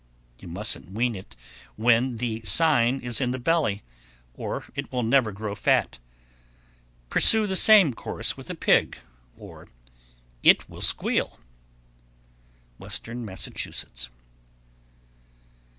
You mustn't wean it when the sign is in the belly, or it will never grow fat. Pursue the same course with a pig, or it will squeal. _Western Massachusetts.